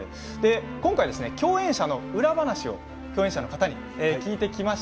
今回、裏話を共演者の方に聞いてきました。